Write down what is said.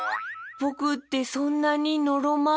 ぼくってそんなにのろま？